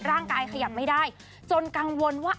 ร่างกายขยับไม่ได้จนกังวลว่า